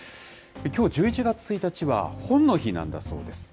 きょう１１月１日は本の日なんだそうです。